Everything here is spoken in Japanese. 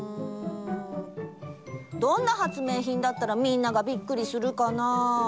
どんな発明品だったらみんながびっくりするかな。